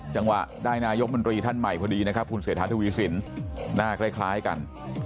จังหวะได้นายกมนตรีท่านใหม่พอดีนะครับคุณเศรษฐาทวีสินหน้าคล้ายกัน